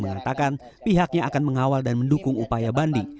mengatakan pihaknya akan mengawal dan mendukung upaya banding